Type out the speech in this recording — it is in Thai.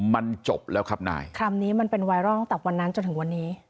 มันจบแล้วครับนายคำนี้มันเป็นไวรัลตั้งแต่วันนั้นจนถึงวันนี้